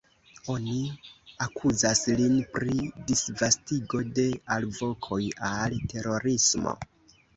Oni akuzas lin pri disvastigo de “alvokoj al terorismo”.